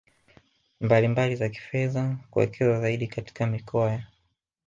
mbalimbali za kifedha kuwekeza zaidi katika mikoa ya